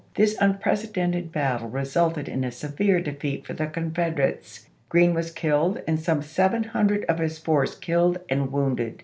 This unprecedented battle resulted in a severe defeat for the Confederates; Green was killed and some seven hundred of his force killed and wounded.